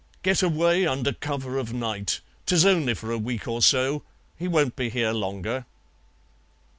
Get away under cover of night, 'tis only for a week or so, he won't be here longer."